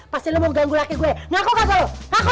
pasti lu mau ganggu laki gue ngaku gak lu ngaku